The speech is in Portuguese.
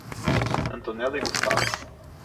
Antonella e Gustavo